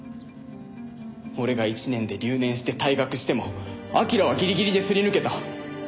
俺が１年で留年して退学しても彬はギリギリですり抜けた。